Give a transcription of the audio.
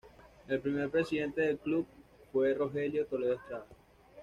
El primer presidente del club fue Rogelio Toledo Estrada.